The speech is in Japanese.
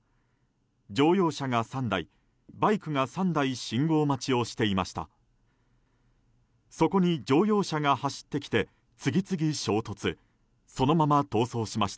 乗用車が３台、バイクが３台信号待ちをしていました。